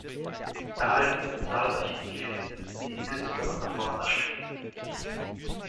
Erhalten sind zahlreiche Briefe, die die Künstlerin an Martha schrieb.